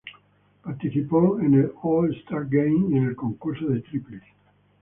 Participó en el All-Star Game y en el Concurso de Triples.